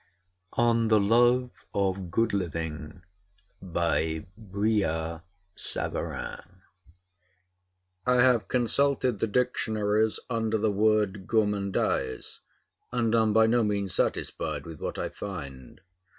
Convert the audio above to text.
ON THE LOVE OF GOOD LIVING I have consulted the dictionaries under the word gourmandise, and am by no means satisfied with what I find.